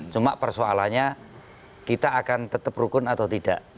cuma persoalannya kita akan tetap rukun atau tidak